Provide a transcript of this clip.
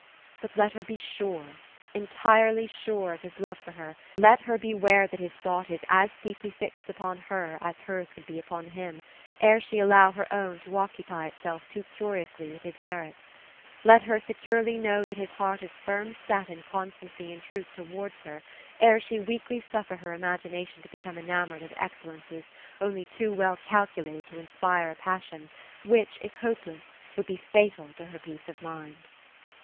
But let her be sure — entirely sure — of his love for her, ere she permit her fancy to engage itself too fondly with his image. Let her beware that his thought is as deeply fixed upon her, as hers could be upon him, ere she allow her own to occupy itself too curi ously with his merits. Let her securely know that his heart is firm set in constancy and truth towards her, ere she weakly suffer her imagina tion to become enamoured of excellences only too. well calculated to inspire a passion, which if hopeless, would be fatal to her peace of mind."